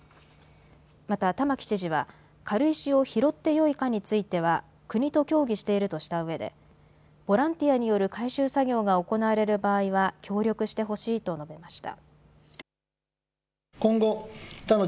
また、玉城知事は軽石を拾ってよいかについては国と協議しているとしたうえでボランティアによる回収作業が行われる場合は協力してほしいと述べました。